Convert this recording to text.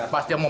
pasti mau masuk